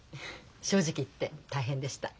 正直言って大変でした。